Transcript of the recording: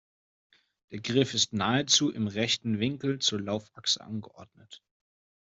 Der Griff ist nahezu im rechten Winkel zur Laufachse angeordnet.